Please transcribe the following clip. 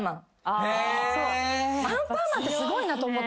アンパンマンってすごいなと思って。